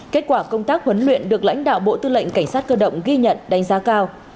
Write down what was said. kết quả công tác huấn luyện được lãnh đạo bộ tư lệnh cảnh sát cơ động ghi nhận đánh giá cao